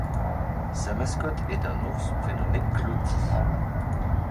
Sa mascotte est un ours prénommé Klotti.